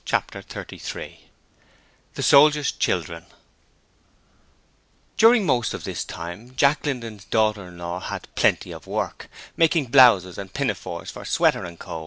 Chapter 33 The Soldier's Children During most of this time, Jack Linden's daughter in law had 'Plenty of Work', making blouses and pinafores for Sweater & Co.